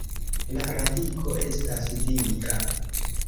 La radiko estas dika.